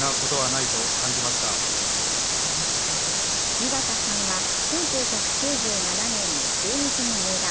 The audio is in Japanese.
井端さんは１９９７年に中日に入団。